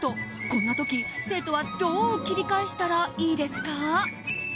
こんな時、生徒はどう切り替えしたらいいですか？